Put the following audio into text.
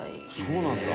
そうなんだ。